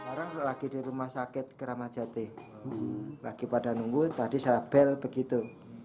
orang lagi di rumah sakit kramatjati lagi pada nunggu tadi sabel begitu